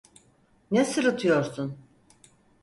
Ne sırıtıyorsun?